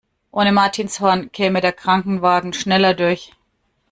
Ohne Martinshorn käme der Krankenwagen schneller durch.